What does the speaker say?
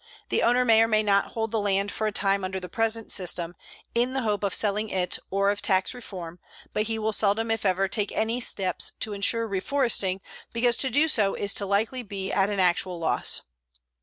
The owner may or may not hold the land for a time under the present system, in the hope of selling it or of tax reform, but he will seldom if ever take any steps to insure reforesting, because to do so is too likely to be at an actual loss.